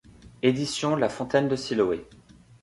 Éditions la Fontaine de Siloé.